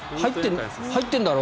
入ってんだろ！